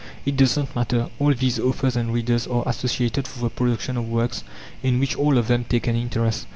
It does not matter: all these authors and readers are associated for the production of works in which all of them take an interest.